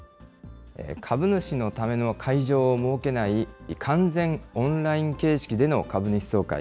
株主のための会場を設けない完全オンライン形式での株主総会。